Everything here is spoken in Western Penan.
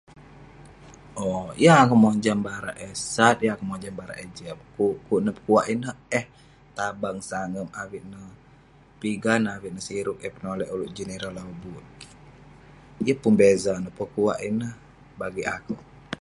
Owk, yeng akouk mojam barak eh sat yeng akouk mojam barak eh jiak. Pukuk neh, pekuak ineh eh tabang sangep avik neh pigan avik neh siruk eh penolek ulouk jin ireh lobuk. Yeng pun beza neh pekuak ineh bagik akouk.